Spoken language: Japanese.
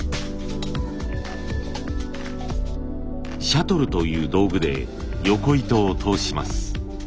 シャトルという道具でよこ糸を通します。